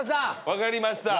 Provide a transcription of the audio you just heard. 分かりました。